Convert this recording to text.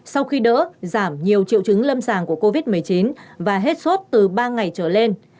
sau khi đỡ giảm nhiều triệu chứng lâm sàng của covid một mươi chín và hết suốt từ ba ngày trở lên